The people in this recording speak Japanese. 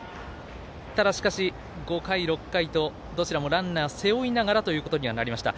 ただしかし、５回６回とどちらもランナー背負いながらということにはなりました。